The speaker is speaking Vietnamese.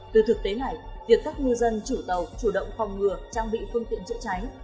từ thực tế này việc các ngư dân chủ tàu chủ động phòng ngừa trang bị phương tiện chữa cháy